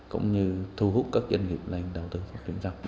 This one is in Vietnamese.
cũng như thu hút các doanh nghiệp lên đầu tư phát triển rộng